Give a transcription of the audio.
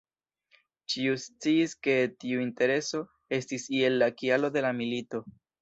Ĉiu sciis ke tiu intereso estis iel la kialo de la milito".